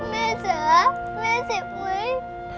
แม่เสียแม่เจ็บไหม